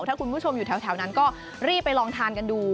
ถ้าคุณผู้ชมอยู่แถวนั้นก็รีบไปลองทานกันดู